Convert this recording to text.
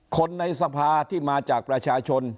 คนในสภาที่มาจากประชาชน